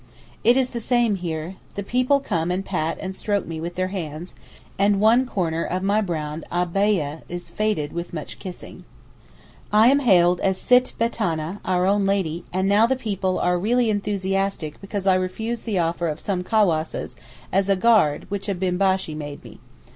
It is the same here. The people come and pat and stroke me with their hands, and one corner of my brown abbaieh is faded with much kissing. I am hailed as Sitt Betaana 'Our own Lady,' and now the people are really enthusiastic because I refused the offer of some cawasses as a guard which a Bimbashee made me.